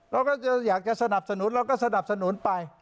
เราก็จะอยากจะสนับสนุนเราก็สนับสนุนไป